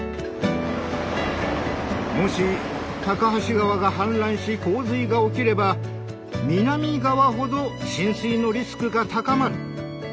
もし高梁川が氾濫し洪水が起きれば南側ほど浸水のリスクが高まる。